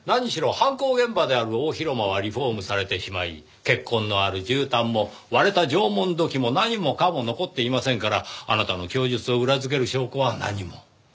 犯行現場である大広間はリフォームされてしまい血痕のあるじゅうたんも割れた縄文土器も何もかも残っていませんからあなたの供述を裏付ける証拠は何も。